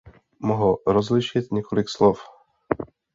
Mohl rozlišit několik slov.